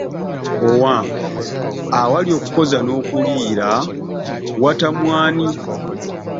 Owange, awali okukoza n'okuliira watamwa ani?